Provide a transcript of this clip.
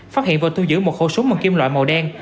phát hiện và thu giữ một khẩu súng bằng kim loại màu đen